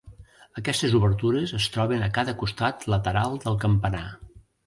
Aquestes obertures es troben a cada costat lateral del campanar.